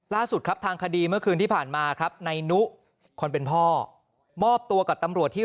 ล่าสุดครับทางคดีเมื่อคืนที่ผ่านมาครับนายนุคนเป็นพ่อมอบตัวกับตำรวจที่